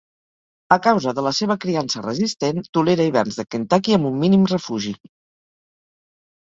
A causa de la seva criança resistent, tolera hiverns de Kentucky amb un mínim refugi.